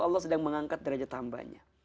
allah sedang mengangkat derajat tambahnya